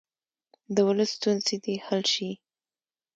د ولس ستونزې دې حل شي.